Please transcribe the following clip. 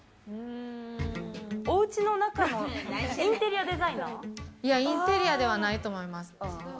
おうちの中のインテリアデザいや、インテリアではないと思います。